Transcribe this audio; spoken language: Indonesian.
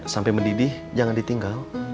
sampai mendidih jangan ditinggal